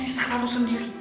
ini salah lu sendiri